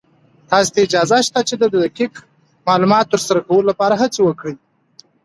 تاسې ته اجازه شته چې د دقيق معلوماتو تر سره کولو لپاره هڅې وکړئ.